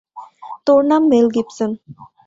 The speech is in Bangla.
তোর নাম মেল গিবসন।